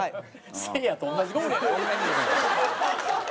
せいやと同じゴール。